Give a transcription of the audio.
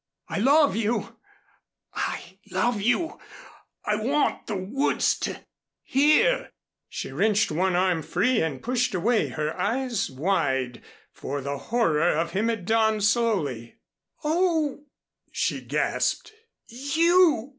I love you I love you I want the woods to hear " She wrenched one arm free and pushed away, her eyes wide, for the horror of him had dawned slowly. "Oh!" she gasped. "_You!